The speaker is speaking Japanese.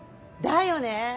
だよね？